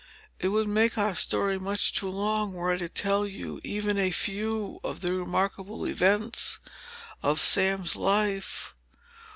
It would make our story much too long were I to tell you even a few of the remarkable events of Sam's life.